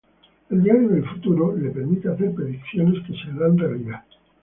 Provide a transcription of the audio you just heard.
El diario del futuro le permite hacer predicciones que se harán realidad.